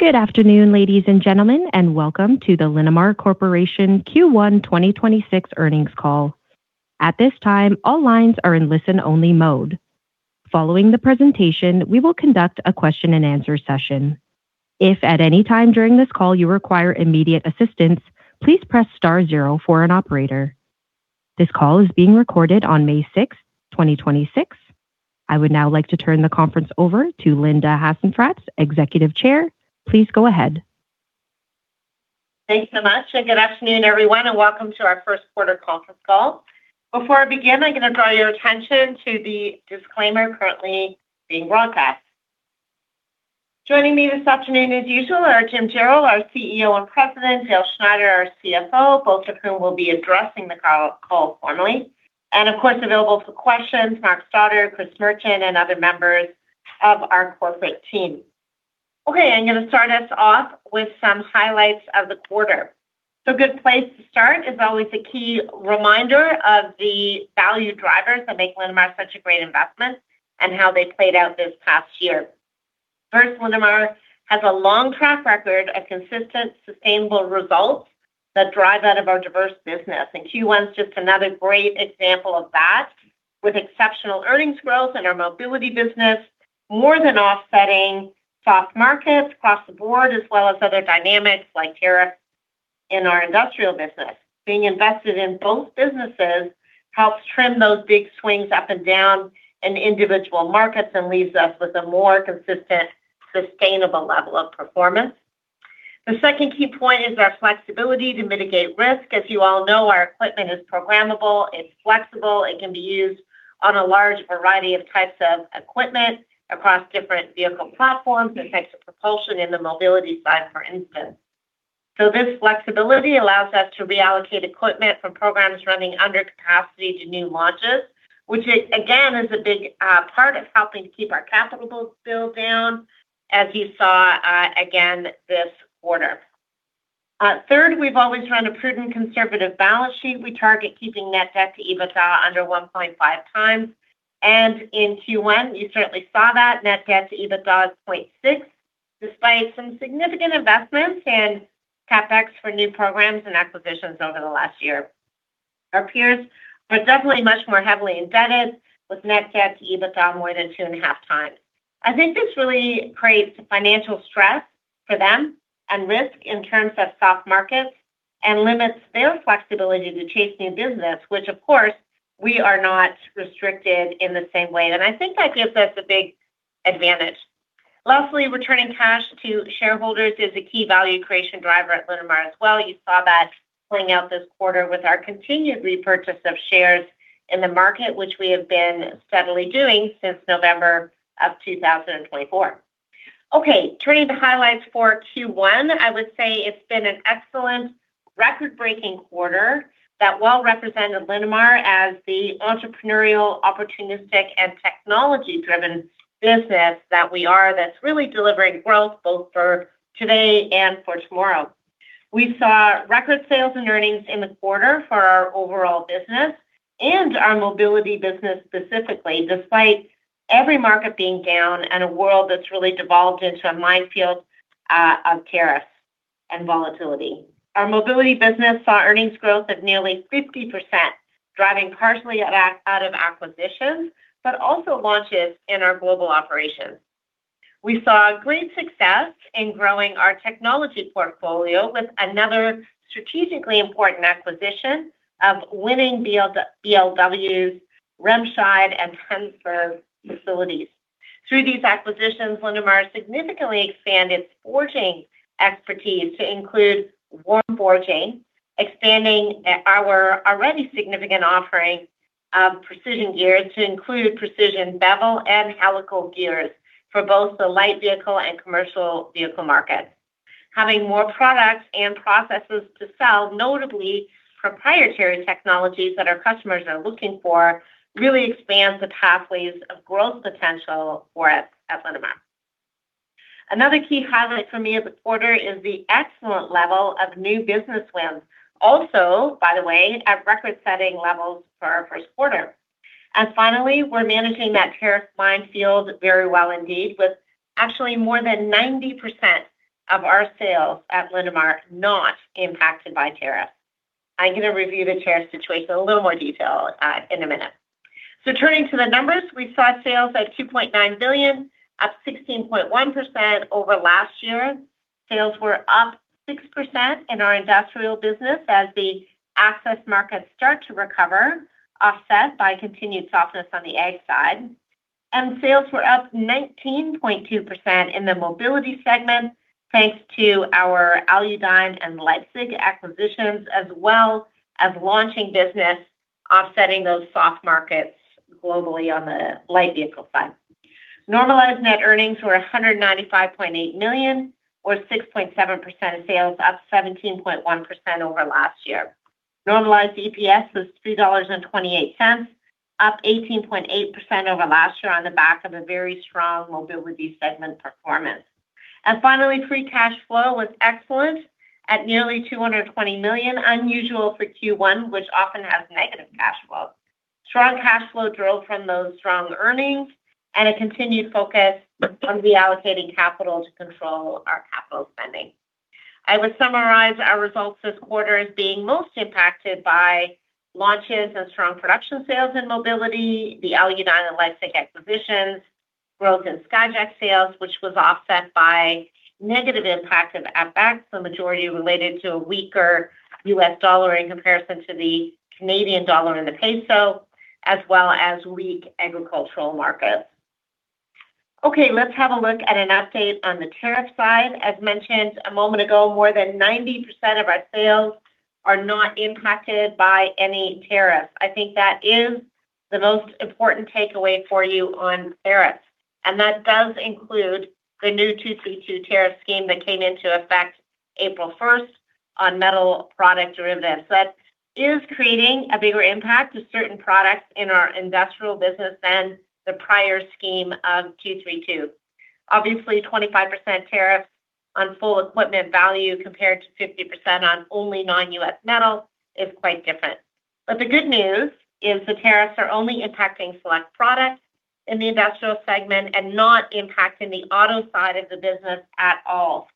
Good afternoon, ladies and gentlemen, welcome to the Linamar Corporation Q1 2026 earnings call. At this time, all lines are in listen-only mode. Following the presentation, we will conduct a question and answer session. If at any time during the call you require immediate assistance, please press star zero for an operator. This call is being recorded on May 6, 2026. I would now like to turn the conference over to Linda Hasenfratz, Executive Chair. Please go ahead. Thanks so much. Good afternoon, everyone. Welcome to our first quarter conference call. Before I begin, I'm gonna draw your attention to the disclaimer currently being broadcast. Joining me this afternoon, as usual, are Jim Jarrell, our CEO and President, Dale Schneider, our CFO, both of whom will be addressing the call formally. Of course, available for questions, Mark Stoddart, Chris Merchant, and other members of our corporate team. I'm gonna start us off with some highlights of the quarter. A good place to start is always the key reminder of the value drivers that make Linamar such a great investment and how they played out this past year. First, Linamar has a long track record of consistent sustainable results that drive out of our diverse business. Q1 is just another great example of that, with exceptional earnings growth in our mobility business, more than offsetting soft markets across the board, as well as other dynamics like tariff in our industrial business. Being invested in both businesses helps trim those big swings up and down in individual markets and leaves us with a more consistent, sustainable level of performance. The second key point is our flexibility to mitigate risk. As you all know, our equipment is programmable, it's flexible, it can be used on a large variety of types of equipment across different vehicle platforms and types of propulsion in the mobility side, for instance. This flexibility allows us to reallocate equipment from programs running under capacity to new launches, which again is a big part of helping to keep our capital bill down, as you saw again this quarter. Third, we've always run a prudent conservative balance sheet. We target keeping net debt to EBITDA under 1.5x. In Q1, you certainly saw that. Net debt to EBITDA is 0.6, despite some significant investments and CapEx for new programs and acquisitions over the last year. Our peers are definitely much more heavily indebted, with net debt to EBITDA more than 2.5x. I think this really creates financial stress for them and risk in terms of soft markets and limits their flexibility to chase new business, which of course, we are not restricted in the same way. I think that gives us a big advantage. Lastly, returning cash to shareholders is a key value creation driver at Linamar as well. You saw that playing out this quarter with our continued repurchase of shares in the market, which we have been steadily doing since November of 2024. Okay, turning to highlights for Q1, I would say it's been an excellent record-breaking quarter that well represented Linamar as the entrepreneurial, opportunistic and technology-driven business that we are that's really delivering growth both for today and for tomorrow. We saw record sales and earnings in the quarter for our overall business and our mobility business specifically, despite every market being down and a world that's really devolved into a minefield of tariffs and volatility. Our mobility business saw earnings growth of nearly 50%, driving partially out of acquisitions, but also launches in our global operations. We saw great success in growing our technology portfolio with another strategically important acquisition of Winning BLW's Remscheid and transfer facilities. Through these acquisitions, Linamar significantly expanded forging expertise to include warm forging, expanding our already significant offering of precision gears to include precision bevel and helical gears for both the light vehicle and commercial vehicle market. Having more products and processes to sell, notably proprietary technologies that our customers are looking for, really expands the pathways of growth potential for us at Linamar. Another key highlight for me of the quarter is the excellent level of new business wins. By the way, at record-setting levels for our first quarter. Finally, we're managing that tariff mine field very well indeed, with actually more than 90% of our sales at Linamar not impacted by tariff. I'm gonna review the tariff situation in a little more detail in a minute. Turning to the numbers, we saw sales at 2.9 billion, up 16.1% over last year. Sales were up 6% in our industrial business as the access markets start to recover, offset by continued softness on the ag side. Sales were up 19.2% in the mobility segment, thanks to our Aludyne and Leipzig acquisitions, as well as launching business offsetting those soft markets globally on the light vehicle side. Normalized net earnings were 195.8 million or 6.7% of sales, up 17.1% over last year. Normalized EPS was 3.28 dollars, up 18.8% over last year on the back of a very strong mobility segment performance. Finally, free cash flow was excellent at nearly 220 million, unusual for Q1, which often has negative cash flow. Strong cash flow drove from those strong earnings and a continued focus on reallocating capital to control our capital spending. I would summarize our results this quarter as being most impacted by launches and strong production sales in mobility, the Aludyne and Leipzig acquisitions, growth in Skyjack sales, which was offset by negative impacts of FX, the majority related to a weaker US dollar in comparison to the Canadian dollar and the peso, as well as weak agricultural markets. Let's have a look at an update on the tariff side. As mentioned a moment ago, more than 90% of our sales are not impacted by any tariff. I think that is the most important takeaway for you on tariffs. That does include the new 232 tariff scheme that came into effect April 1st on metal product derivatives. That is creating a bigger impact to certain products in our industrial business than the prior scheme of 232. Obviously, 25% tariff on full equipment value compared to 50% on only non-U.S. metal is quite different. The good news is the tariffs are only impacting select products in the industrial segment and not impacting the auto side of the business at all.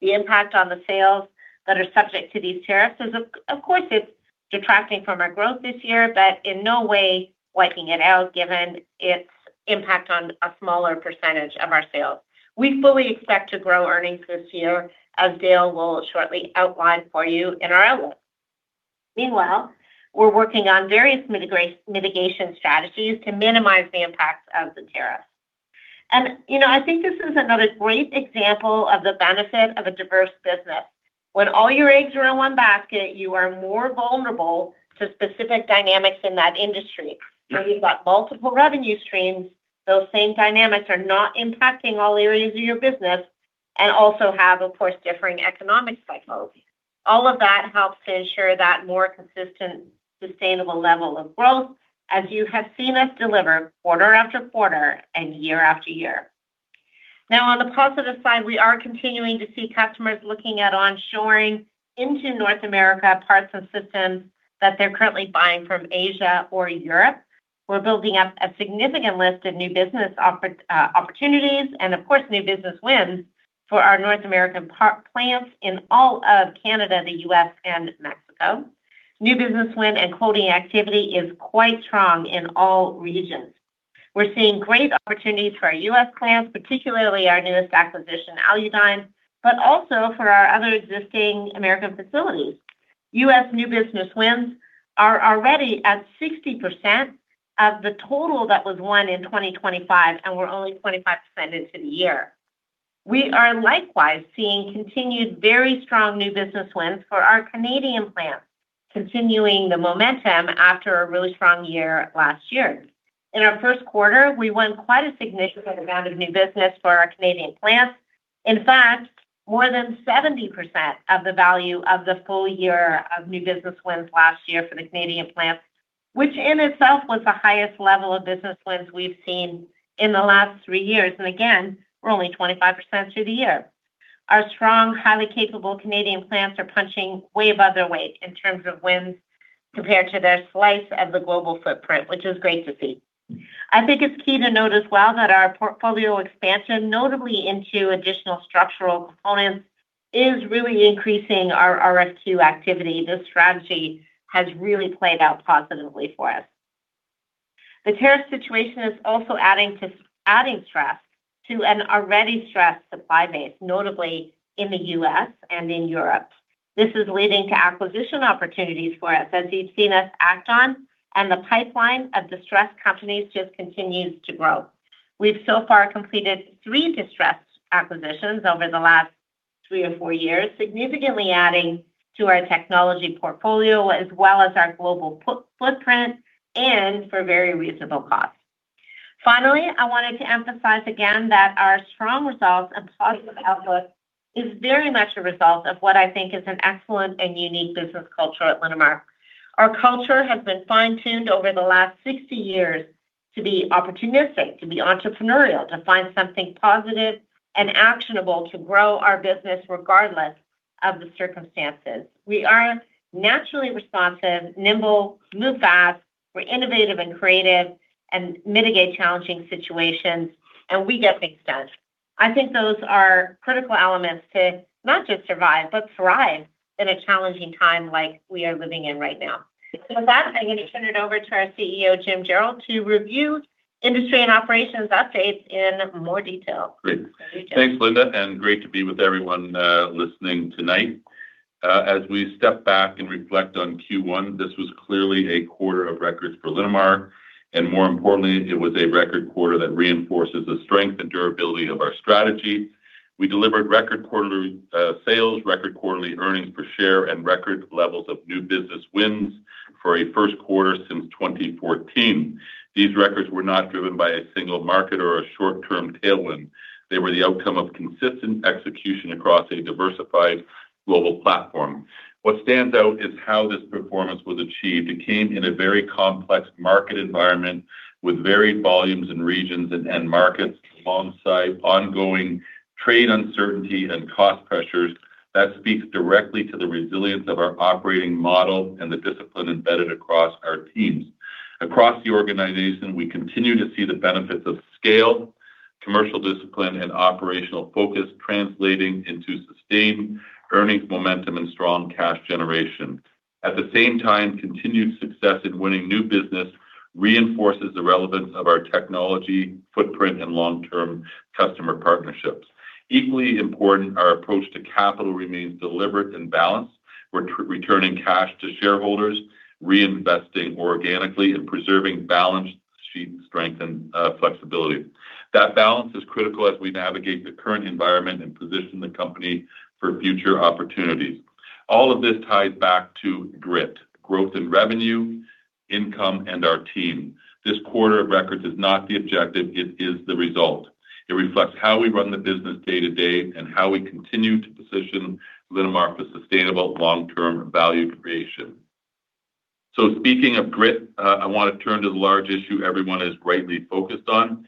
The impact on the sales that are subject to these tariffs is, of course, it's detracting from our growth this year, but in no way wiping it out given its impact on a smaller percentage of our sales. We fully expect to grow earnings this year, as Dale will shortly outline for you in our outlook. Meanwhile, we're working on various mitigation strategies to minimize the impacts of the tariff. You know, I think this is another great example of the benefit of a diverse business. When all your eggs are in one basket, you are more vulnerable to specific dynamics in that industry. When you've got multiple revenue streams, those same dynamics are not impacting all areas of your business and also have, of course, differing economic cycles. All of that helps to ensure that more consistent, sustainable level of growth as you have seen us deliver quarter after quarter and year after year. Now on the positive side, we are continuing to see customers looking at onshoring into North America parts and systems that they're currently buying from Asia or Europe. We're building up a significant list of new business opportunities and of course, new business wins for our North American plants in all of Canada, the U.S., and Mexico. New business win and quoting activity is quite strong in all regions. We're seeing great opportunities for our U.S. plants, particularly our newest acquisition, Aludyne, but also for our other existing American facilities. U.S. new business wins are already at 60% of the total that was won in 2025, and we're only 25% into the year. We are likewise seeing continued very strong new business wins for our Canadian plants, continuing the momentum after a really strong year last year. In our first quarter, we won quite a significant amount of new business for our Canadian plants. In fact, more than 70% of the value of the full year of new business wins last year for the Canadian plants, which in itself was the highest level of business wins we've seen in the last three years. Again, we're only 25% through the year. Our strong, highly capable Canadian plants are punching way above their weight in terms of wins compared to their slice of the global footprint, which is great to see. I think it's key to note as well that our portfolio expansion, notably into additional structural components, is really increasing our RFQ activity. This strategy has really played out positively for us. The tariff situation is also adding stress to an already stressed supply base, notably in the U.S. and in Europe. This is leading to acquisition opportunities for us, as you've seen us act on. The pipeline of distressed companies just continues to grow. We've so far completed three distressed acquisitions over the last three or four years, significantly adding to our technology portfolio as well as our global footprint and for very reasonable cost. Finally, I wanted to emphasize again that our strong results and positive outlook is very much a result of what I think is an excellent and unique business culture at Linamar. Our culture has been fine-tuned over the last 60 years to be opportunistic, to be entrepreneurial, to find something positive and actionable to grow our business regardless of the circumstances. We are naturally responsive, nimble, move fast. We're innovative and creative and mitigate challenging situations. We get things done. I think those are critical elements to not just survive but thrive in a challenging time like we are living in right now. With that, I'm going to turn it over to our CEO, Jim Jarrell, to review industry and operations updates in more detail. Great. Thanks, Linda, and great to be with everyone listening tonight. As we step back and reflect on Q1, this was clearly a quarter of records for Linamar, and more importantly, it was a record quarter that reinforces the strength and durability of our strategy. We delivered record quarterly sales, record quarterly earnings per share, and record levels of new business wins for a first quarter since 2014. These records were not driven by a single market or a short-term tailwind. They were the outcome of consistent execution across a diversified global platform. What stands out is how this performance was achieved. It came in a very complex market environment with varied volumes in regions and end markets alongside ongoing trade uncertainty and cost pressures, that speaks directly to the resilience of our operating model and the discipline embedded across our teams. Across the organization, we continue to see the benefits of scale, commercial discipline and operational focus translating into sustained earnings momentum and strong cash generation. At the same time, continued success in winning new business reinforces the relevance of our technology footprint and long-term customer partnerships. Equally important, our approach to capital remains deliberate and balanced. We're returning cash to shareholders, reinvesting organically and preserving balance sheet strength and flexibility. That balance is critical as we navigate the current environment and position the company for future opportunities. All of this ties back to GRIT, Growth in Revenue, Income and our Team. This quarter of records is not the objective, it is the result. It reflects how we run the business day to day and how we continue to position Linamar for sustainable long-term value creation. Speaking of GRIT, I wanna turn to the large issue everyone is rightly focused on,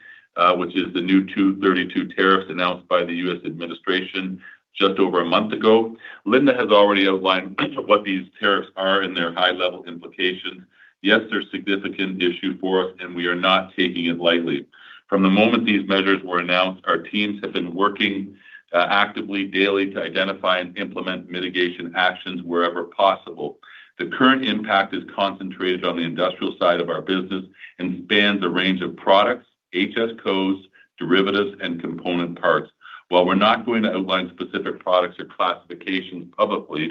which is the new 232 tariffs announced by the U.S. administration just over a month ago. Linda has already outlined what these tariffs are and their high level implications. Yes, they're a significant issue for us, and we are not taking it lightly. From the moment these measures were announced, our teams have been working actively daily to identify and implement mitigation actions wherever possible. The current impact is concentrated on the industrial side of our business and spans a range of products, HS codes, derivatives, and component parts. While we're not going to outline specific products or classifications publicly,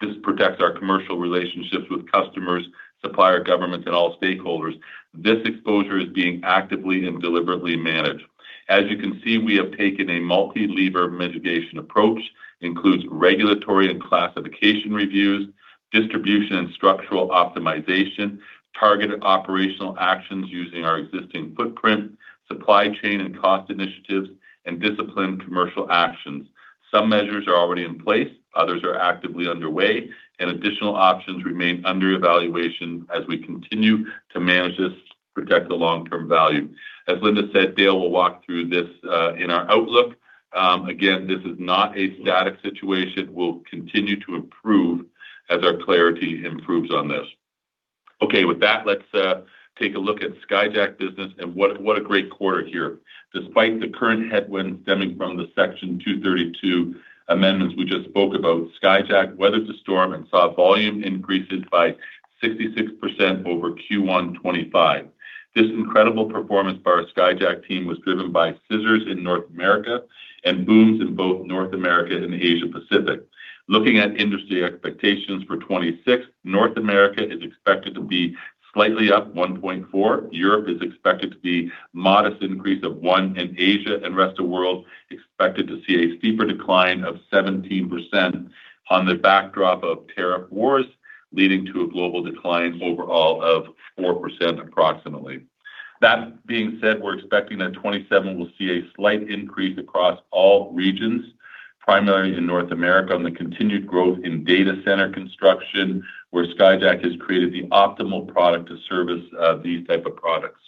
this protects our commercial relationships with customers, supplier governments, and all stakeholders. This exposure is being actively and deliberately managed. As you can see, we have taken a multi-lever mitigation approach, includes regulatory and classification reviews, distribution and structural optimization, targeted operational actions using our existing footprint, supply chain and cost initiatives, and disciplined commercial actions. Some measures are already in place, others are actively underway, and additional options remain under evaluation as we continue to manage this to protect the long-term value. As Linda said, Dale will walk through this in our outlook. Again, this is not a static situation. We'll continue to improve as our clarity improves on this. Okay. With that, let's take a look at Skyjack business and what a great quarter here. Despite the current headwinds stemming from the Section 232 amendments we just spoke about, Skyjack weathered the storm and saw volume increases by 66% over Q1 2025. This incredible performance by our Skyjack team was driven by scissors in North America and booms in both North America and the Asia Pacific. Looking at industry expectations for 2026, North America is expected to be slightly up 1.4%. Europe is expected to be modest increase of 1%, Asia and rest of world expected to see a steeper decline of 17% on the backdrop of tariff wars, leading to a global decline overall of 4% approximately. That being said, we're expecting that 2027 will see a slight increase across all regions, primarily in North America on the continued growth in data center construction, where Skyjack has created the optimal product to service these type of products.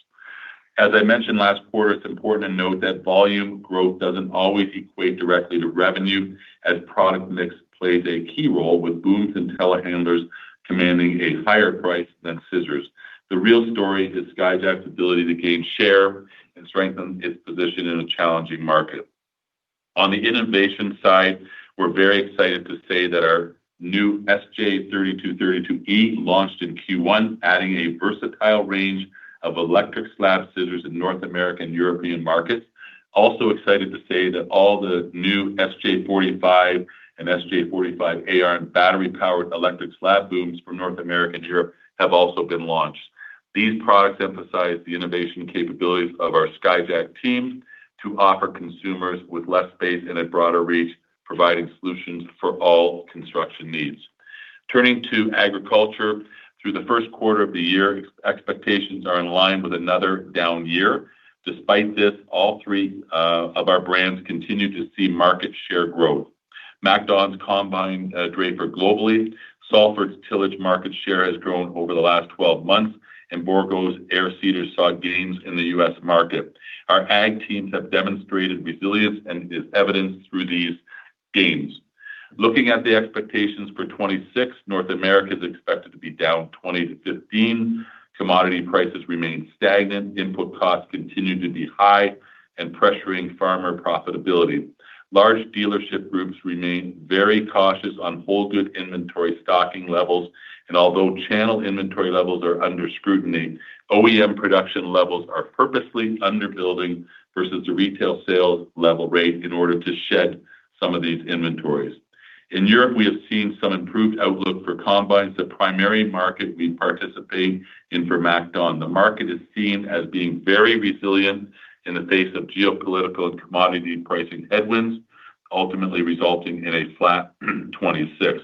As I mentioned last quarter, it's important to note that volume growth doesn't always equate directly to revenue, as product mix plays a key role, with booms and telehandlers commanding a higher price than scissors. The real story is Skyjack's ability to gain share and strengthen its position in a challenging market. On the innovation side, we're very excited to say that our new SJ 3232E launched in Q1, adding a versatile range of electric slab scissors in North American and European markets. Also excited to say that all the new SJ45 and SJ45 [ARJN] battery-powered electric slab booms for North America and Europe have also been launched. These products emphasize the innovation capabilities of our Skyjack team to offer consumers with less space and a broader reach, providing solutions for all construction needs. Turning to agriculture, through the first quarter of the year, expectations are in line with another down year. Despite this, all three of our brands continue to see market share growth. MacDon's combine draper globally. Salford's tillage market share has grown over the last 12 months, and Bourgault's air seeders saw gains in the U.S. market. Our ag teams have demonstrated resilience and is evidenced through these gains. Looking at the expectations for 2026, North America is expected to be down 20%-15%. Commodity prices remain stagnant, input costs continue to be high and pressuring farmer profitability. Large dealership groups remain very cautious on whole good inventory stocking levels, and although channel inventory levels are under scrutiny, OEM production levels are purposely under building versus the retail sales level rate in order to shed some of these inventories. In Europe, we have seen some improved outlook for combines, the primary market we participate in for MacDon. The market is seen as being very resilient in the face of geopolitical and commodity pricing headwinds, ultimately resulting in a flat 2026.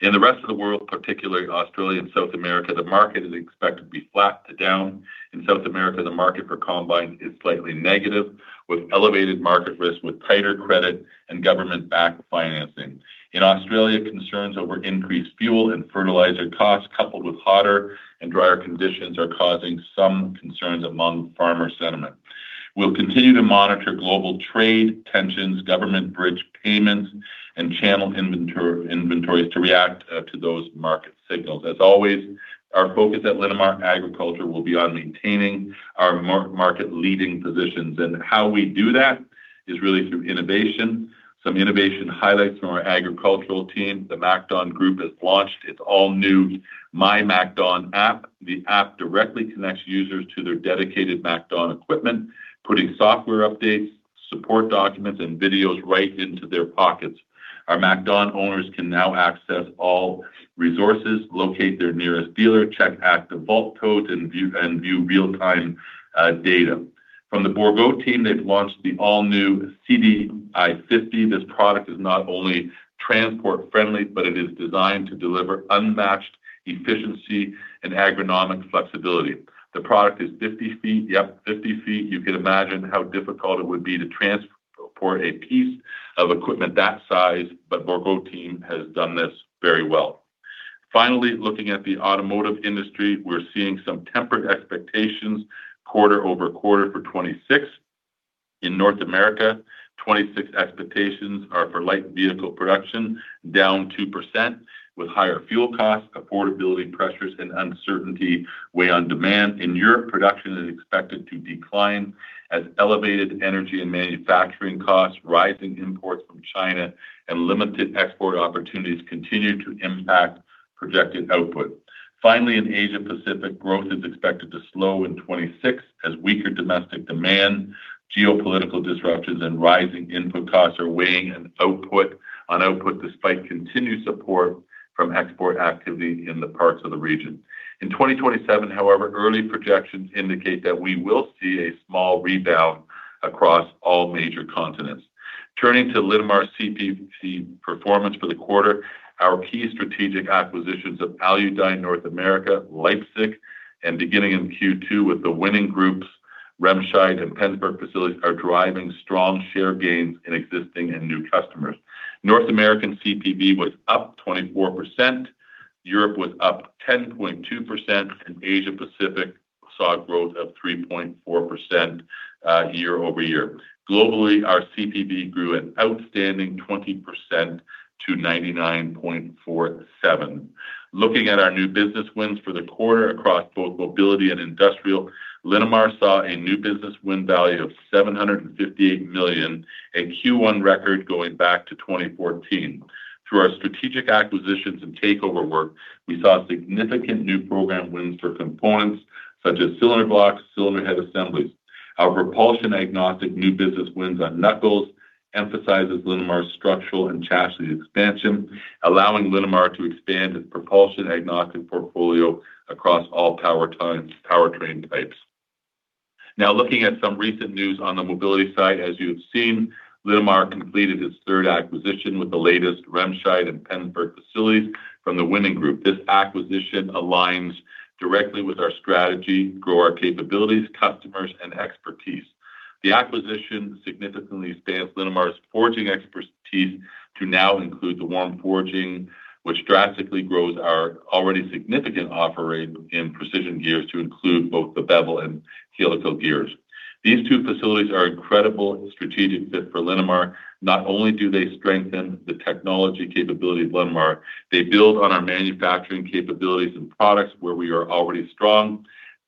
In the rest of the world, particularly Australia and South America, the market is expected to be flat to down. In South America, the market for combines is slightly negative, with elevated market risk with tighter credit and government-backed financing. In Australia, concerns over increased fuel and fertilizer costs coupled with hotter and drier conditions are causing some concerns among farmer sentiment. We'll continue to monitor global trade tensions, government bridge payments, and channel inventories to react to those market signals. As always, our focus at Linamar Agriculture will be on maintaining our market leading positions. How we do that is really through innovation. Some innovation highlights from our agricultural team. The MacDon group has launched its all-new myMacDon app. The app directly connects users to their dedicated MacDon equipment, putting software updates, support documents, and videos right into their pockets. Our MacDon owners can now access all resources, locate their nearest dealer, check active fault codes, and view real-time data. From the Bourgault team, they've launched the all-new CDi50. This product is not only transport friendly, but it is designed to deliver unmatched efficiency and agronomic flexibility. The product is 50 ft. Yep, 50 ft. You could imagine how difficult it would be to transport a piece of equipment that size, but Bourgault team has done this very well. Finally, looking at the automotive industry, we're seeing some tempered expectations quarter-over-quarter for 2026. In North America, 2026 expectations are for light vehicle production down 2%, with higher fuel costs, affordability pressures, and uncertainty weigh on demand. In Europe, production is expected to decline as elevated energy and manufacturing costs, rising imports from China, and limited export opportunities continue to impact projected output. Finally, in Asia-Pacific, growth is expected to slow in 2026 as weaker domestic demand, geopolitical disruptions, and rising input costs are weighing on output despite continued support from export activity in the parts of the region. In 2027, however, early projections indicate that we will see a small rebound across all major continents. Turning to Linamar CPV performance for the quarter, our key strategic acquisitions of Aludyne North America, Leipzig, and beginning in Q2 with the Winning Group's Remscheid and Penzberg facilities are driving strong share gains in existing and new customers. North American CPV was up 24%. Europe was up 10.2%, and Asia-Pacific saw growth of 3.4% year-over-year. Globally, our CPV grew an outstanding 20% to 99.47. Looking at our new business wins for the quarter across both mobility and industrial, Linamar saw a new business win value of 758 million, in Q1 record going back to 2014. Through our strategic acquisitions and takeover work, we saw significant new program wins for components such as cylinder blocks, cylinder head assemblies. Our propulsion-agnostic new business wins on knuckles emphasizes Linamar's structural and chassis expansion, allowing Linamar to expand its propulsion-agnostic portfolio across all powertrains, powertrain types. Now looking at some recent news on the mobility side, as you have seen, Linamar completed its third acquisition with the latest Remscheid and Penzberg facilities from the Winning Group. This acquisition aligns directly with our strategy, grow our capabilities, customers, and expertise. The acquisition significantly expands Linamar's forging expertise to now include the warm forging, which drastically grows our already significant offering in precision gears to include both the bevel and helical gears. These two facilities are incredible strategic fit for Linamar. Not only do they strengthen the technology capabilities of Linamar, they build on our manufacturing capabilities and products where we are already strong,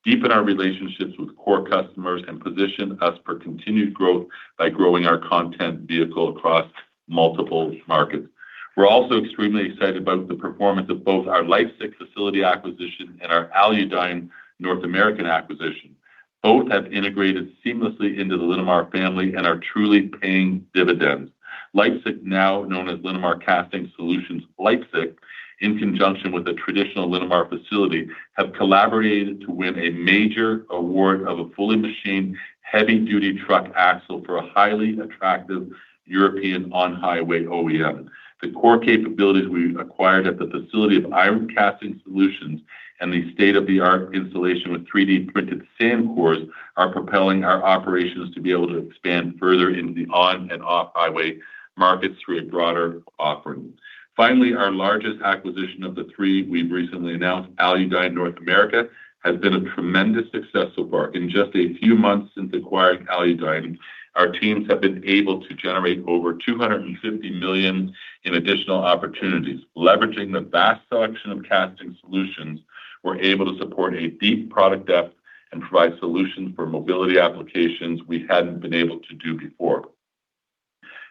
deepen our relationships with core customers, and position us for continued growth by growing our content vehicle across multiple markets. We're also extremely excited about the performance of both our Leipzig facility acquisition and our Aludyne North American acquisition. Both have integrated seamlessly into the Linamar family and are truly paying dividends. Leipzig, now known as Linamar Casting Solutions Leipzig, in conjunction with the traditional Linamar facility, have collaborated to win a major award of a fully machined heavy-duty truck axle for a highly attractive European on-highway OEM. The core capabilities we've acquired at the facility of Iron Casting Solutions and the state-of-the-art installation with 3D printed sand cores are propelling our operations to be able to expand further into the on and off highway markets through a broader offering. Finally, our largest acquisition of the three we've recently announced, Aludyne North America, has been a tremendous success so far. In just a few months since acquiring Aludyne, our teams have been able to generate over 250 million in additional opportunities. Leveraging the vast selection of casting solutions, we're able to support a deep product depth and provide solutions for mobility applications we hadn't been able to do before.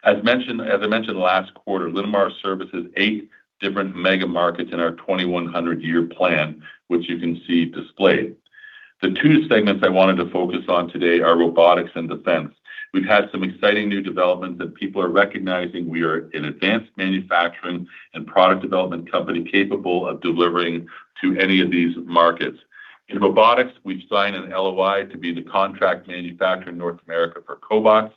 As mentioned, as I mentioned last quarter, Linamar services eight different mega markets in our 2,100 year plan, which you can see displayed. The two segments I wanted to focus on today are robotics and defense. We've had some exciting new developments, and people are recognizing we are an advanced manufacturing and product development company capable of delivering to any of these markets. In robotics, we've signed an LOI to be the contract manufacturer in North America for Cobots.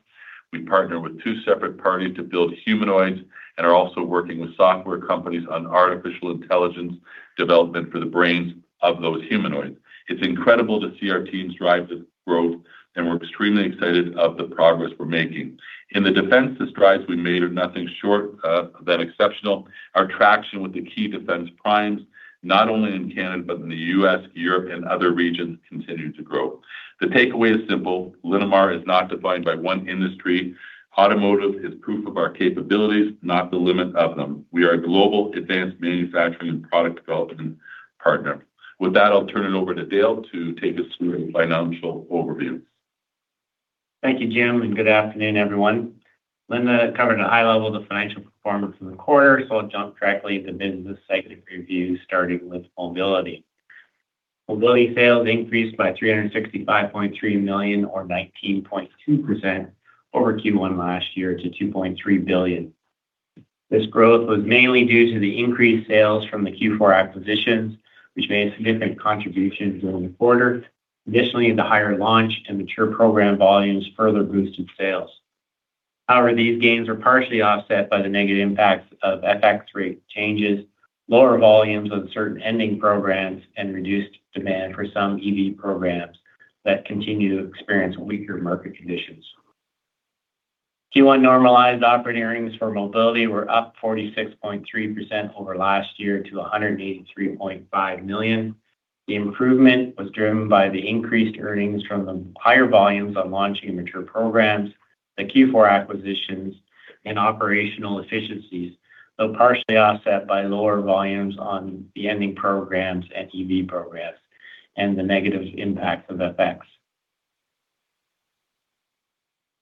We partner with two separate parties to build humanoids and are also working with software companies on artificial intelligence development for the brains of those humanoids. It's incredible to see our teams drive this growth, and we're extremely excited of the progress we're making. In the defense, the strides we made are nothing short of than exceptional. Our traction with the key defense primes, not only in Canada, but in the U.S., Europe, and other regions, continue to grow. The takeaway is simple: Linamar is not defined by one industry. Automotive is proof of our capabilities, not the limit of them. We are a global advanced manufacturing and product development partner. With that, I'll turn it over to Dale to take us through a financial overview. Thank you, Jim, good afternoon, everyone. Linda covered a high level of the financial performance in the quarter, so I'll jump directly into business segment review, starting with Mobility. Mobility sales increased by 365.3 million or 19.2% over Q1 last year to 2.3 billion. This growth was mainly due to the increased sales from the Q4 acquisitions, which made a significant contribution during the quarter. Additionally, the higher launch and mature program volumes further boosted sales. These gains were partially offset by the negative impacts of FX rate changes, lower volumes of certain ending programs, and reduced demand for some EV programs that continue to experience weaker market conditions. Q1 normalized operating earnings for Mobility were up 46.3% over last year to 183.5 million. The improvement was driven by the increased earnings from the higher volumes on launch and mature programs, the Q4 acquisitions, and operational efficiencies, though partially offset by lower volumes on the ending programs and EV programs and the negative impact of FX.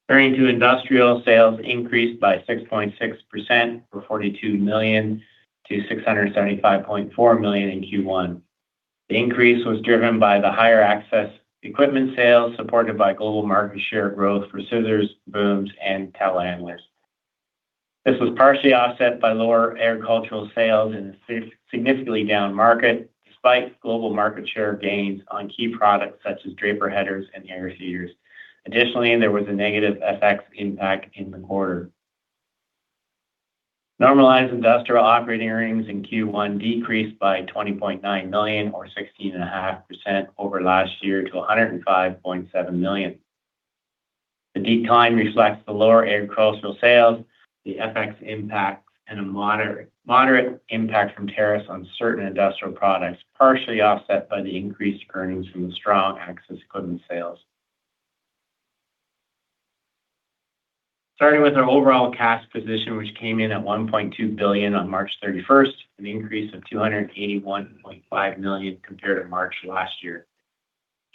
Turning to industrial, sales increased by 6.6% for 42 million-675.4 million in Q1. The increase was driven by the higher access equipment sales supported by global market share growth for scissors, booms, and telehandlers. This was partially offset by lower agricultural sales in a significantly down market despite global market share gains on key products such as draper headers and Air seeders. Additionally, there was a negative FX impact in the quarter. Normalized industrial operating earnings in Q1 decreased by 20.9 million or 16.5% over last year to 105.7 million. The decline reflects the lower agricultural sales, the FX impact, and a moderate impact from tariffs on certain industrial products, partially offset by the increased earnings from the strong access equipment sales. Starting with our overall cash position, which came in at 1.2 billion on March 31st, an increase of 281.5 million compared to March last year.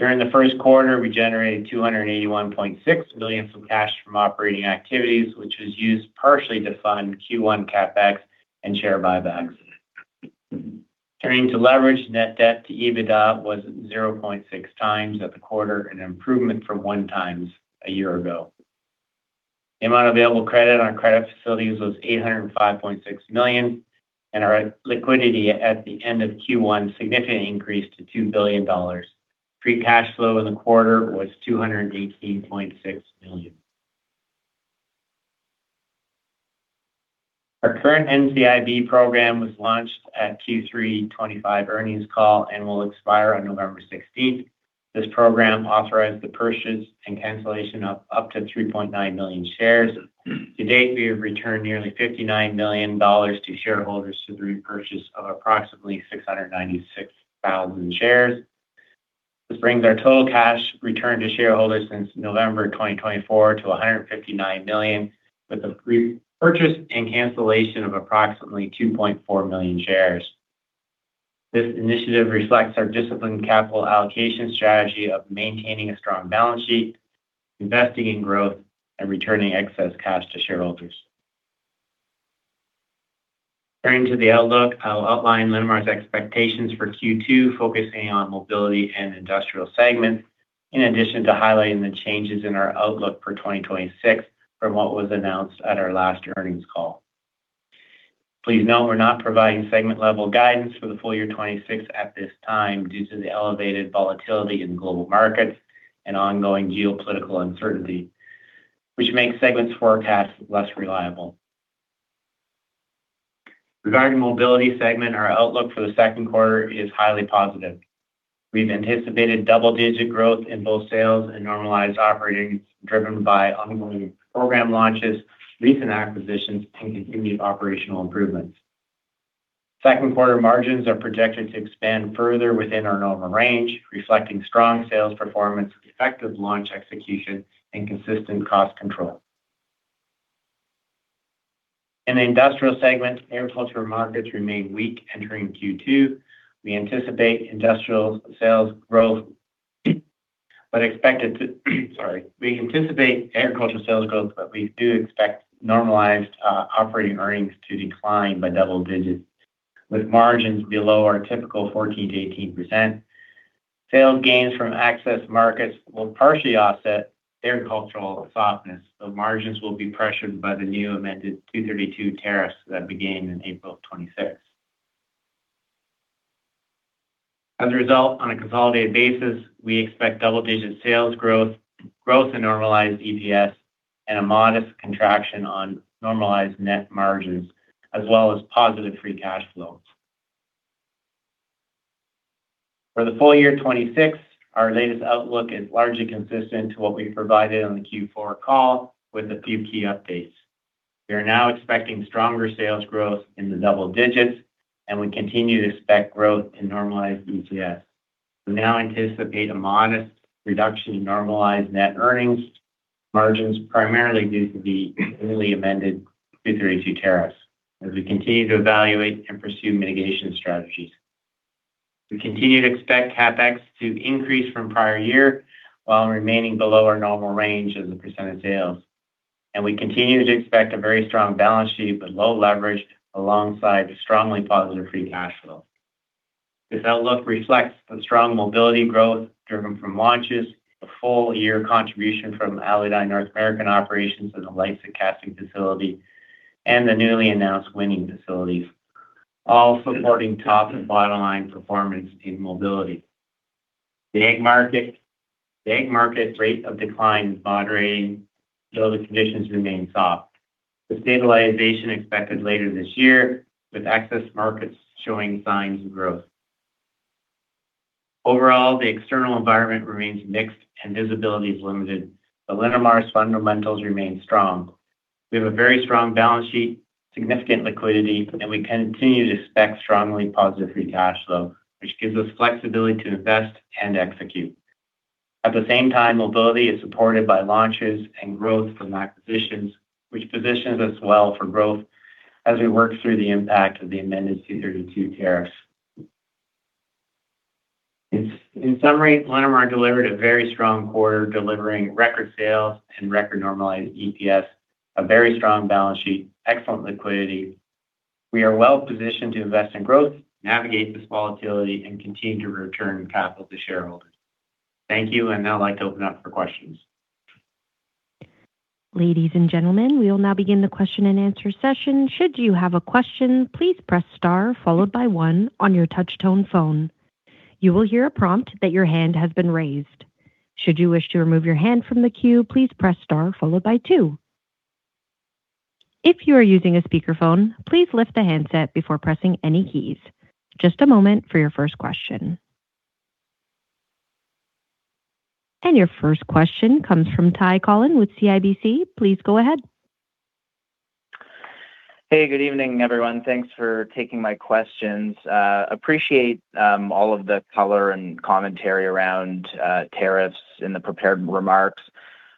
During the first quarter, we generated 281.6 million from cash from operating activities, which was used partially to fund Q1 CapEx and share buybacks. Turning to leverage, net debt to EBITDA was 0.6x at the quarter, an improvement from 1x a year ago. The amount of available credit on credit facilities was 805.6 million. Our liquidity at the end of Q1 significantly increased to 2 billion dollars. Free cash flow in the quarter was 218.6 million. Our current NCIB program was launched at Q3 2025 earnings call and will expire on November 16th. This program authorized the purchase and cancellation of up to 3.9 million shares. To date, we have returned nearly 59 million dollars to shareholders through the repurchase of approximately 696,000 shares. This brings our total cash returned to shareholders since November 2024 to 159 million, with a repurchase and cancellation of approximately 2.4 million shares. This initiative reflects our disciplined capital allocation strategy of maintaining a strong balance sheet, investing in growth, and returning excess cash to shareholders. Turning to the outlook, I'll outline Linamar's expectations for Q2, focusing on mobility and industrial segments, in addition to highlighting the changes in our outlook for 2026 from what was announced at our last earnings call. Please note we're not providing segment-level guidance for the full year 2026 at this time due to the elevated volatility in global markets and ongoing geopolitical uncertainty, which makes segments forecast less reliable. Regarding mobility segment, our outlook for the second quarter is highly positive. We've anticipated double-digit growth in both sales and normalized operating, driven by ongoing program launches, recent acquisitions, and continued operational improvements. Second quarter margins are projected to expand further within our normal range, reflecting strong sales performance, effective launch execution, and consistent cost control. In the industrial segment, agricultural markets remain weak entering Q2. We anticipate industrial sales growth. We anticipate agricultural sales growth, but we do expect normalized operating earnings to decline by double digits, with margins below our typical 14%-18%. Sales gains from access markets will partially offset agricultural softness, though margins will be pressured by the new amended 232 tariffs that began in April of 2026. As a result, on a consolidated basis, we expect double-digit sales growth in normalized EPS, and a modest contraction on normalized net margins, as well as positive free cash flows. For the full year 2026, our latest outlook is largely consistent to what we provided on the Q4 call with a few key updates. We are now expecting stronger sales growth in the double digits, and we continue to expect growth in normalized EPS. We now anticipate a modest reduction in normalized net earnings margins, primarily due to the newly amended 232 tariffs as we continue to evaluate and pursue mitigation strategies. We continue to expect CapEx to increase from prior year while remaining below our normal range of the percent of sales. We continue to expect a very strong balance sheet with low leverage alongside strongly positive free cash flow. This outlook reflects the strong mobility growth driven from launches, a full year contribution from Aludyne and North American operations in the Leipzig and casting facility, and the newly announced Winning facilities, all supporting top and bottom line performance in mobility. The ag market rate of decline is moderating, though the conditions remain soft, with stabilization expected later this year, with excess markets showing signs of growth. Overall, the external environment remains mixed and visibility is limited, but Linamar's fundamentals remain strong. We have a very strong balance sheet, significant liquidity, and we continue to expect strongly positive free cash flow, which gives us flexibility to invest and execute. At the same time, mobility is supported by launches and growth from acquisitions, which positions us well for growth as we work through the impact of the amended 232 tariffs. In summary, Linamar delivered a very strong quarter, delivering record sales and record normalized EPS, a very strong balance sheet, excellent liquidity. We are well-positioned to invest in growth, navigate this volatility, and continue to return capital to shareholders. Thank you, and now I'd like to open up for questions. Ladies and gentlemen, we will now begin the question and answer session. Should you have a question, please press star followed by one on your touch tone phone. You will hear a prompt that your hand has been raised. Should you wish to remove your hand from the queue, please press star followed by two. If you are using a speaker phone, please lift the handset before pressing any keys. Just a moment for your first question. Your first question comes from Ty Collin with CIBC. Please go ahead. Hey, good evening, everyone. Thanks for taking my questions. Appreciate all of the color and commentary around tariffs in the prepared remarks.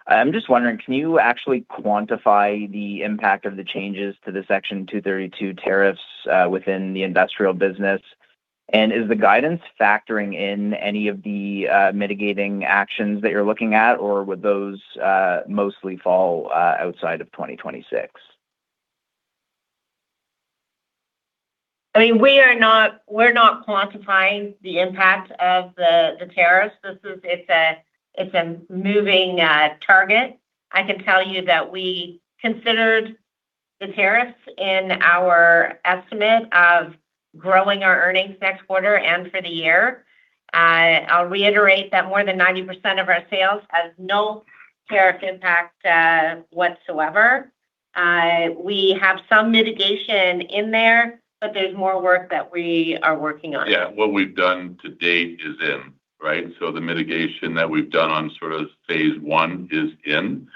I'm just wondering, can you actually quantify the impact of the changes to the Section 232 tariffs within the industrial business? Is the guidance factoring in any of the mitigating actions that you're looking at, or would those mostly fall outside of 2026? I mean, we're not quantifying the impact of the tariffs. It's a moving target. I can tell you that we considered the tariffs in our estimate of growing our earnings next quarter and for the year. I'll reiterate that more than 90% of our sales has no tariff impact whatsoever. We have some mitigation in there. There's more work that we are working on. Yeah. What we've done to date is in, right? The mitigation that we've done on sort of phase I is in.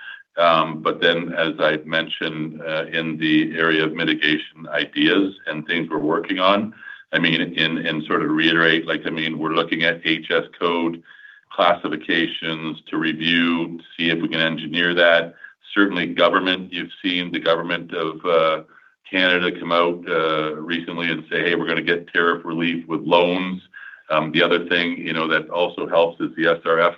As I'd mentioned, in the area of mitigation ideas and things we're working on, I mean, in, sort of reiterate, like, I mean, we're looking at HS code classifications to review, to see if we can engineer that. Certainly government, you've seen the government of Canada come out recently and say, "Hey, we're gonna get tariff relief with loans." The other thing, you know, that also helps is the SRF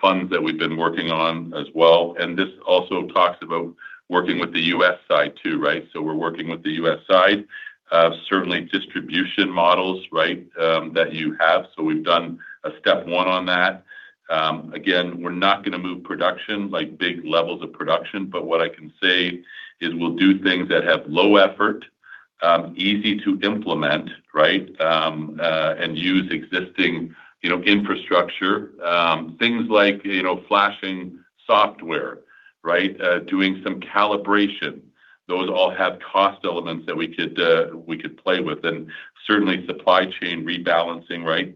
funds that we've been working on as well. This also talks about working with the U.S. side too, right? We're working with the U.S. side. Certainly distribution models, right, that you have. We've done a step 1 on that. Again, we're not gonna move production, like big levels of production, but what I can say is we'll do things that have low effort, easy to implement, right, and use existing, you know, infrastructure. Things like, you know, flashing software, right, doing some calibration. Those all have cost elements that we could, we could play with. Certainly supply chain rebalancing, right?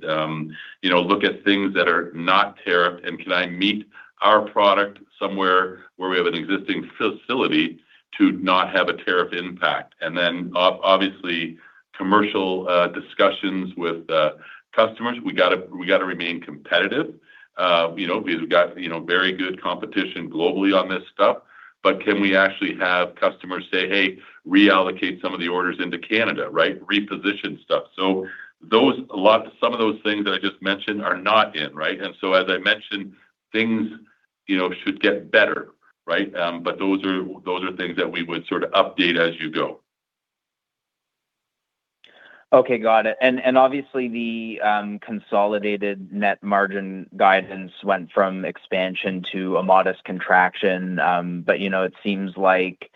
You know, look at things that are not tariffed and can I meet our product somewhere where we have an existing facility to not have a tariff impact? Then obviously commercial discussions with customers. We gotta remain competitive. You know, we've got, you know, very good competition globally on this stuff, but can we actually have customers say, "Hey, reallocate some of the orders into Canada," right? Reposition stuff. Some of those things that I just mentioned are not in, right. As I mentioned, things, you know, should get better, right. Those are things that we would sort of update as you go. Okay, got it. Obviously the consolidated net margin guidance went from expansion to a modest contraction. You know, it seems like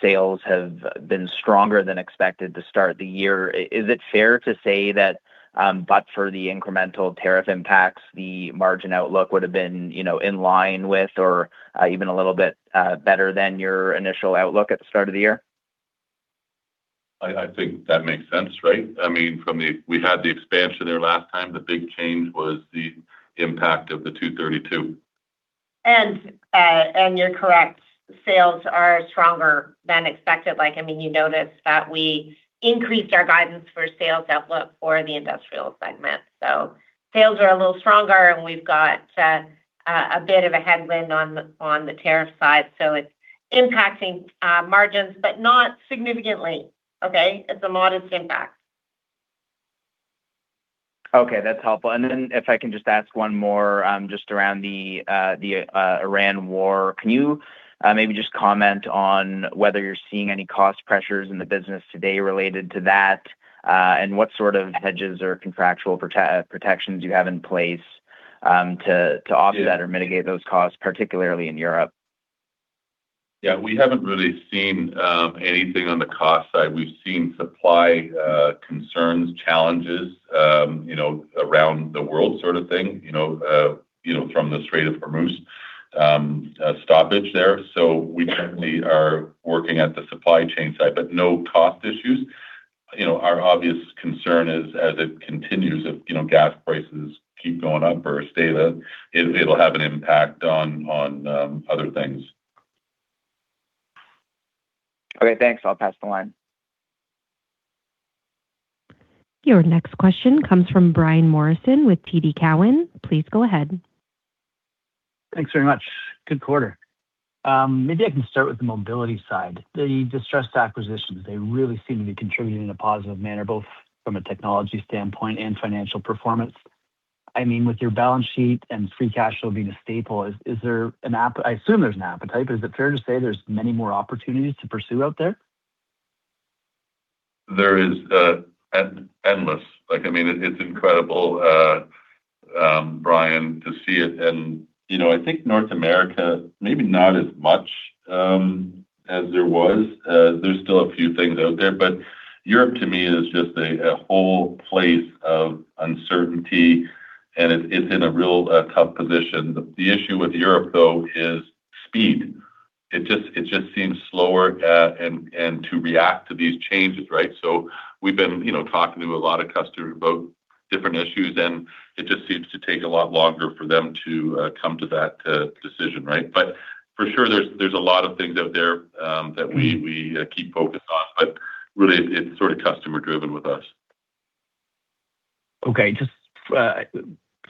sales have been stronger than expected to start the year. Is it fair to say that, but for the incremental tariff impacts, the margin outlook would have been, you know, in line with or even a little bit better than your initial outlook at the start of the year? I think that makes sense, right? I mean, from the We had the expansion there last time. The big change was the impact of the 232. You're correct. Sales are stronger than expected. You noticed that we increased our guidance for sales outlook for the industrial segment. Sales are a little stronger, and we've got a bit of a headwind on the tariff side. It's impacting margins, but not significantly. It's a modest impact. Okay, that's helpful. If I can just ask one more, just around the Iran war. Can you maybe just comment on whether you're seeing any cost pressures in the business today related to that, and what sort of hedges or contractual protections you have in place, to offset or mitigate those costs, particularly in Europe? Yeah, we haven't really seen anything on the cost side. We've seen supply concerns, challenges, you know, around the world sort of thing. You know, you know, from the Strait of Hormuz stoppage there. We currently are working at the supply chain side, but no cost issues. You know, our obvious concern is as it continues, if, you know, gas prices keep going up or stay there, it'll have an impact on other things. Okay, thanks. I'll pass the line. Your next question comes from Brian Morrison with TD Cowen. Please go ahead. Thanks very much. Good quarter. Maybe I can start with the mobility side. The distressed acquisitions, they really seem to be contributing in a positive manner, both from a technology standpoint and financial performance. I mean, with your balance sheet and free cash flow being a staple, is there an appetite, but is it fair to say there's many more opportunities to pursue out there? There is endless. Like, I mean, it's incredible, Brian, to see it. You know, I think North America, maybe not as much as there was. There's still a few things out there. Europe, to me, is just a whole place of uncertainty, and it's in a real tough position. The issue with Europe, though, is speed. It just seems slower, and to react to these changes, right? We've been, you know, talking to a lot of customers about different issues, and it just seems to take a lot longer for them to come to that decision, right? For sure, there's a lot of things out there that we keep focused on, but really it's sort of customer driven with us. Okay. Just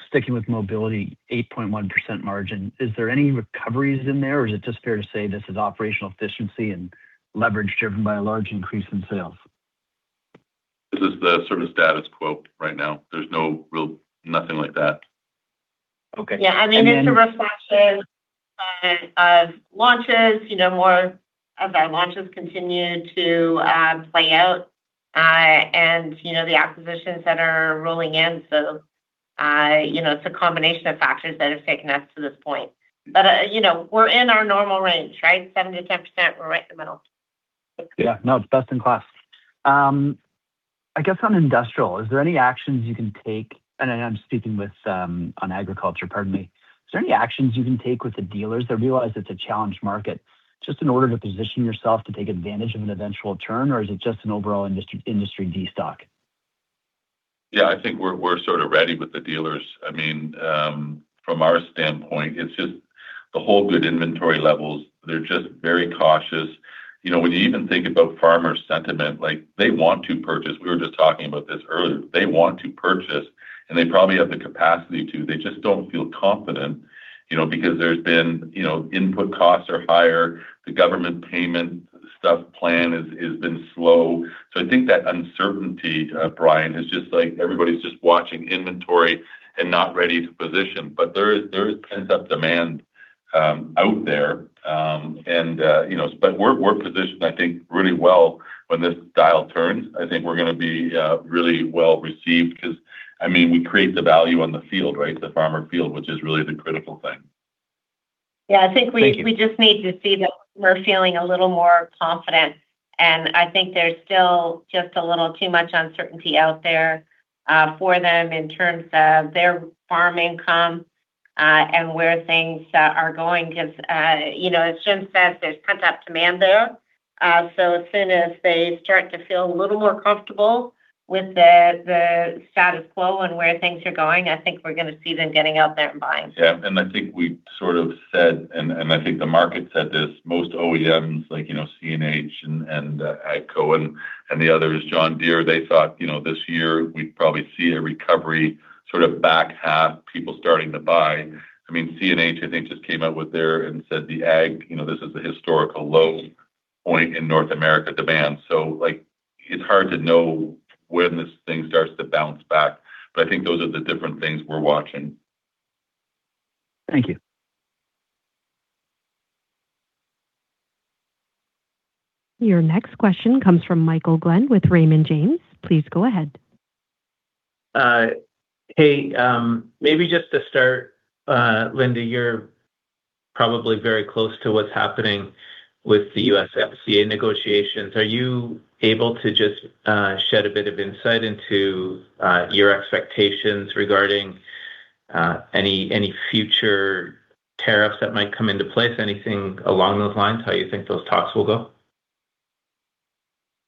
sticking with Mobility, 8.1% margin. Is there any recoveries in there, or is it just fair to say this is operational efficiency and leverage driven by a large increase in sales? This is the sort of status quo right now. There's no real nothing like that. Okay. Yeah, I mean, it's a reflection of launches. You know, more of our launches continue to play out, and, you know, the acquisitions that are rolling in. You know, it's a combination of factors that have taken us to this point. You know, we're in our normal range, right? 7%-10%, we're right in the middle. Yeah. No, it's best in class. I guess some industrial is there any action you can take. I'm speaking with, on agriculture, pardon me. Is there any actions you can take with the dealers? I realize it's a challenged market. Just in order to position yourself to take advantage of an eventual turn, or is it just an overall industry destock? Yeah, I think we're sort of ready with the dealers. I mean, from our standpoint, it's just the whole good inventory levels. They're just very cautious. You know, when you even think about farmer sentiment, like, they want to purchase. We were just talking about this earlier. They want to purchase, and they probably have the capacity to. They just don't feel confident, you know, because there's been, you know, input costs are higher. The government payment stuff plan is been slow. I think that uncertainty, Brian, is just like everybody's just watching inventory and not ready to position. There is pent-up demand out there. You know, we're positioned, I think, really well when this dial turns. I think we're gonna be really well-received 'cause, I mean, we create the value on the field, right? The farmer field, which is really the critical thing. Yeah, I think we- Thank you We just need to see that we're feeling a little more confident. I think there's still just a little too much uncertainty out there for them in terms of their farm income and where things are going. 'Cause, you know, as Jim said, there's pent-up demand there. As soon as they start to feel a little more comfortable with the status quo and where things are going, I think we're gonna see them getting out there and buying. Yeah. I think we sort of said, and, I think the market said this, most OEMs, like, you know, CNH and, AGCO and, the others, John Deere, they thought, you know, this year we'd probably see a recovery sort of back half, people starting to buy. I mean, CNH, I think, just came out with their and said the AG, you know, this is a historical low point in North America demand. Like, it's hard to know when this thing starts to bounce back. I think those are the different things we're watching. Thank you. Your next question comes from Michael Glen with Raymond James. Please go ahead. Hey, maybe just to start, Linda, you're probably very close to what's happening with the USMCA negotiations. Are you able to just shed a bit of insight into your expectations regarding any future tariffs that might come into place? Anything along those lines, how you think those talks will go?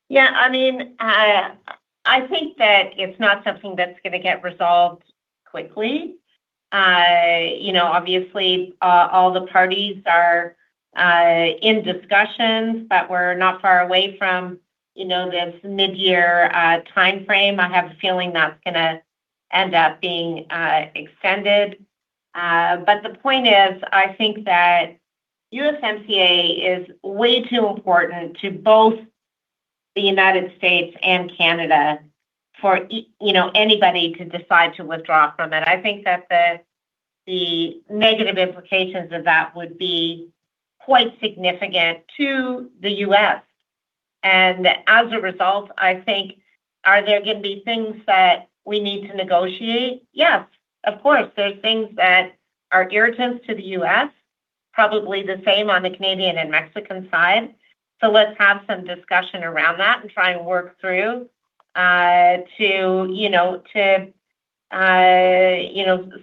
Yeah, I mean, I think that it's not something that's gonna get resolved quickly. You know, obviously, all the parties are in discussions, but we're not far away from, you know, this mid-year timeframe. I have a feeling that's gonna end up being extended. The point is, I think that USMCA is way too important to both the United States and Canada for, you know, anybody to decide to withdraw from it. I think that the negative implications of that would be quite significant to the U.S. As a result, I think are there gonna be things that we need to negotiate? Yes, of course. There are things that are irritants to the U.S., probably the same on the Canadian and Mexican side. Let's have some discussion around that and try and work through to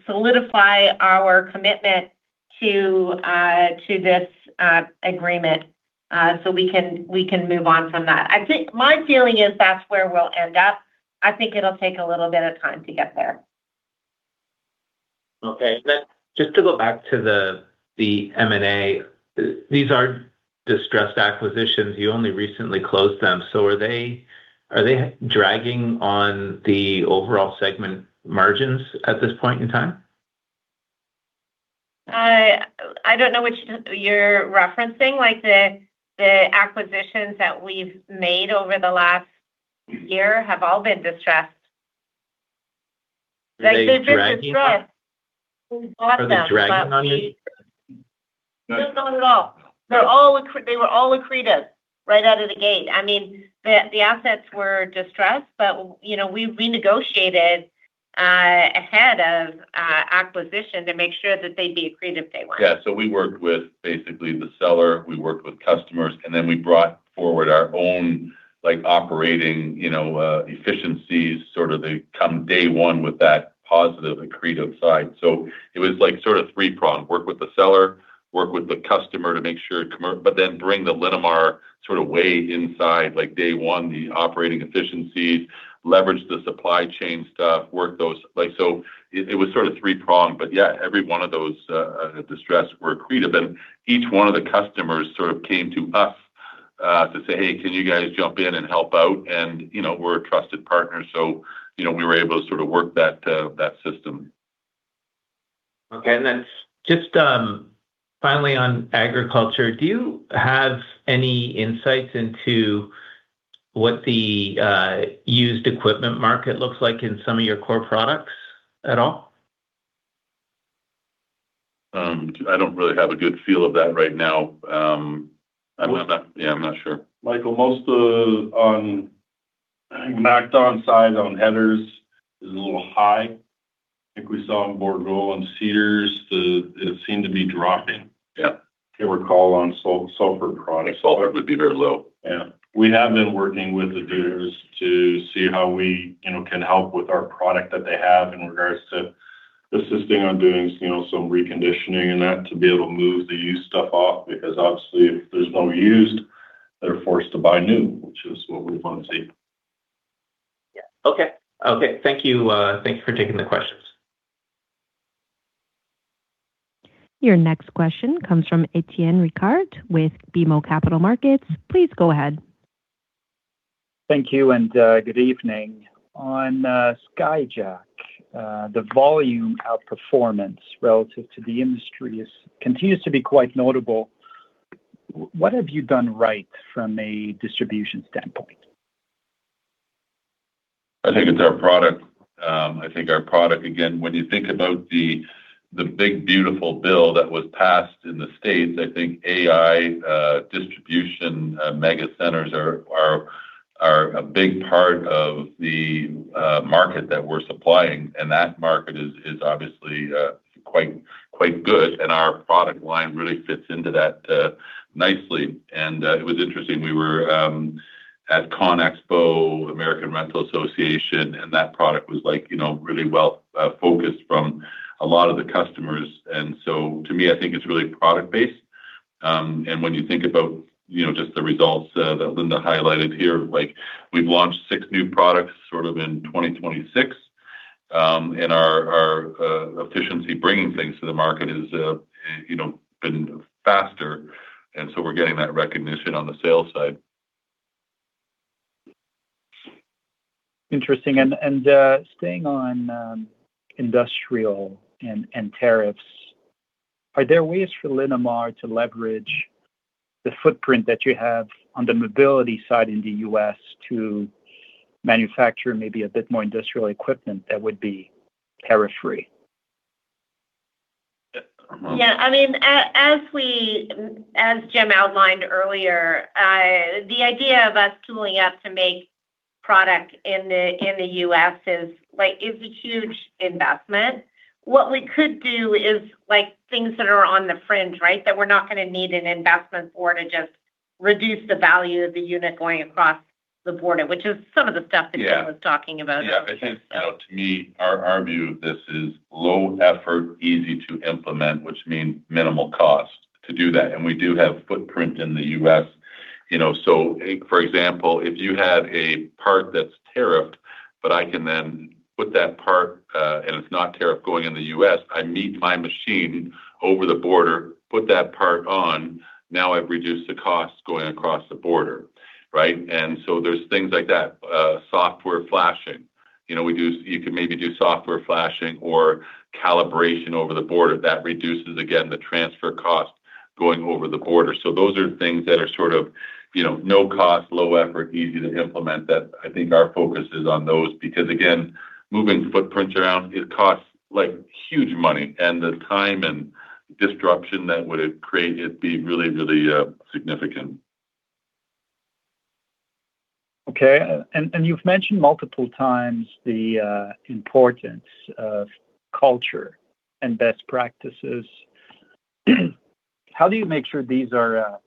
solidify our commitment to this agreement so we can move on from that. I think my feeling is that's where we'll end up. I think it'll take a little bit of time to get there. Okay. Just to go back to the M&A, these are distressed acquisitions, you only recently closed them. Are they dragging on the overall segment margins at this point in time? I don't know which you're referencing. Like, the acquisitions that we've made over the last year have all been distressed. Like, they've been distressed. Are they dragging? We bought them. Are they dragging on the? No, not at all. They were all accretive right out of the gate. I mean, the assets were distressed, you know, we negotiated ahead of acquisition to make sure that they'd be accretive day one. Yeah. We worked with basically the seller, we worked with customers, and then we brought forward our own, like, operating, you know, efficiencies, sort of they come day one with that positive accretive side. It was like sort of three-pronged. Work with the seller, work with the customer to make sure, then bring the Linamar sort of way inside, like day one, the operating efficiencies, leverage the supply chain stuff, work those. It was sort of three-pronged. Yeah, every one of those distressed were accretive. Each one of the customers sort of came to us to say, "Hey, can you guys jump in and help out?" You know, we're a trusted partner, you know, we were able to sort of work that system. Okay. Just finally on agriculture, do you have any insights into what the used equipment market looks like in some of your core products at all? I don't really have a good feel of that right now. Yeah, I'm not sure. Michael, most of on MacDon side on headers is a little high. I think we saw on Bourgault on seeders, it seemed to be dropping. Yeah. I recall on Salford products. Salford would be very low. Yeah. We have been working with the dealers to see how we, you know, can help with our product that they have in regards to assisting on doing, you know, some reconditioning and that to be able to move the used stuff off. Obviously, if there's no used, they're forced to buy new, which is what we wanna see. Yeah. Okay. Okay. Thank you. Thank you for taking the questions. Your next question comes from Étienne Ricard with BMO Capital Markets. Please go ahead. Thank you. Good evening. On Skyjack, the volume outperformance relative to the industry is continues to be quite notable. What have you done right from a distribution standpoint? I think it's our product. I think our product. Again, when you think about the big beautiful bill that was passed in the stage, I think AI, distribution, mega centers are a big part of the market that we're supplying, and that market is obviously quite good, and our product line really fits into that nicely. It was interesting. We were at CONEXPO American Rental Association, and that product was like, you know, really well, focused from a lot of the customers. To me, I think it's really product-based. When you think about, you know, just the results that Linda highlighted here, like we've launched six new products sort of in 2026. Our, our, efficiency bringing things to the market has, you know, been faster, and so we're getting that recognition on the sales side. Interesting. Staying on industrial and tariffs, are there ways for Linamar to leverage the footprint that you have on the mobility side in the U.S. to manufacture maybe a bit more industrial equipment that would be tariff free? Yeah, I mean, as we, as Jim outlined earlier, the idea of us tooling up to make product in the, in the U.S. is, like, a huge investment. What we could do is, like, things that are on the fringe, right? That we're not gonna need an investment for to just reduce the value of the unit going across the border, which is some of the stuff that. Yeah Jim was talking about. Yeah. I think, you know, to me, our view of this is low effort, easy to implement, which mean minimal cost to do that. We do have footprint in the U.S. You know, so for example, if you had a part that's tariffed, but I can then put that part, and it's not tariff going in the U.S., I move my machine over the border, put that part on. Now I've reduced the cost going across the border, right? There's things like that, software flashing. You know, you can maybe do software flashing or calibration over the border. That reduces, again, the transfer cost going over the border. Those are things that are sort of, you know, no cost, low effort, easy to implement that I think our focus is on those. Again, moving footprints around, it costs, like, huge money and the time and disruption that would have created, it'd be really, really significant. Okay. You've mentioned multiple times the importance of culture and best practices. How do you make sure these are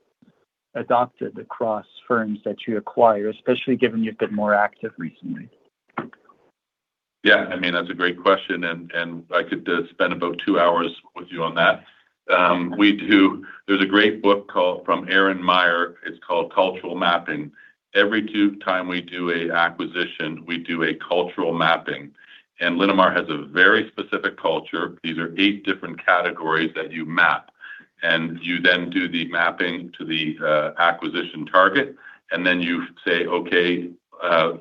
adopted across firms that you acquire, especially given you've been more active recently? Yeah, I mean, that's a great question, and I could spend about two hours with you on that. We do. There's a great book from Erin Meyer, it's called The Culture Map. Every time we do a acquisition, we do a cultural mapping. Linamar has a very specific culture. These are eight different categories that you map. You then do the mapping to the acquisition target. Then you say, "Okay,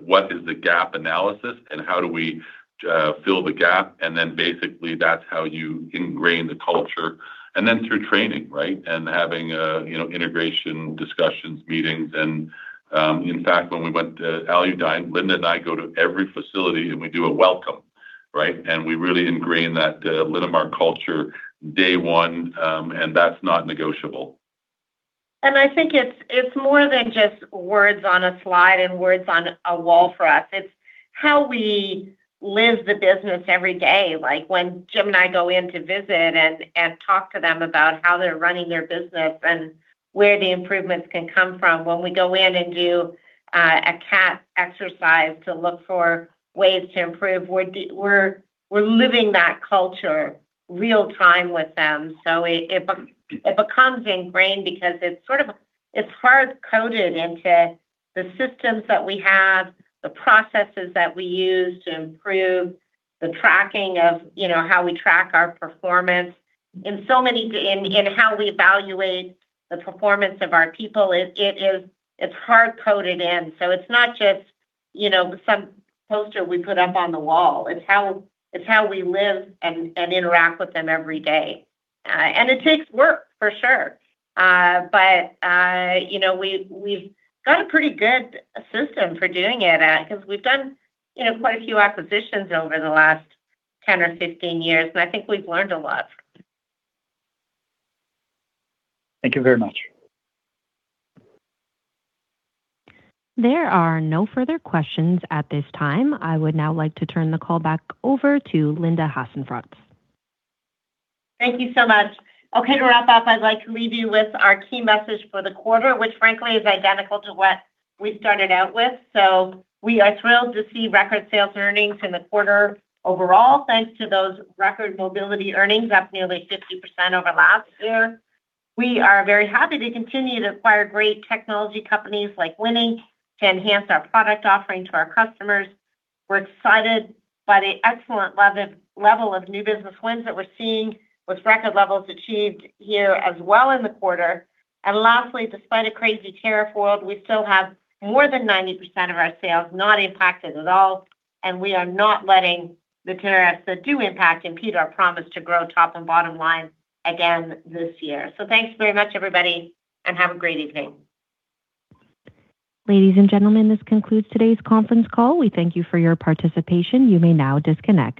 what is the gap analysis and how do we fill the gap?" Then basically that's how you ingrain the culture. Then through training, right? Having, you know, integration discussions, meetings. In fact, when we went to Aludyne, Linda and I go to every facility and we do a welcome, right? We really ingrain that Linamar culture day one, and that's not negotiable. I think it's more than just words on a slide and words on a wall for us. It's how we live the business every day. Like, when Jim and I go in to visit and talk to them about how they're running their business and where the improvements can come from, when we go in and do a CAT exercise to look for ways to improve, we're living that culture real time with them. It becomes ingrained because it's sort of, it's hard coded into the systems that we have, the processes that we use to improve the tracking of, you know, how we track our performance in so many in how we evaluate the performance of our people. It's hard coded in. It's not just, you know, some poster we put up on the wall. It's how we live and interact with them every day. It takes work for sure. You know, we've got a pretty good system for doing it, 'cause we've done, you know, quite a few acquisitions over the last 10 or 15 years, and I think we've learned a lot. Thank you very much. There are no further questions at this time. I would now like to turn the call back over to Linda Hasenfratz. Thank you so much. Okay, to wrap up, I'd like to leave you with our key message for the quarter, which frankly is identical to what we started out with. We are thrilled to see record sales earnings in the quarter overall, thanks to those record mobility earnings, up nearly 50% over last year. We are very happy to continue to acquire great technology companies like Winning to enhance our product offering to our customers. We're excited by the excellent level of new business wins that we're seeing with record levels achieved here as well in the quarter. Lastly, despite a crazy tariff world, we still have more than 90% of our sales not impacted at all, and we are not letting the tariffs that do impact impede our promise to grow top and bottom line again this year. Thanks very much, everybody, and have a great evening. Ladies and gentlemen, this concludes today's conference call. We thank you for your participation. You may now disconnect.